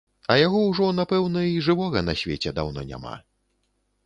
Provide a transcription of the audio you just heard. А яго ўжо, напэўна, і жывога на свеце даўно няма.